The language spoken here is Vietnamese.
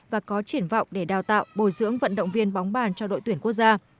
và có triển vọng để đào tạo bồi dưỡng vận động viên bóng bàn cho đội tuyển quốc gia